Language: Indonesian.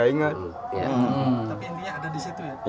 tapi intinya ada di situ ya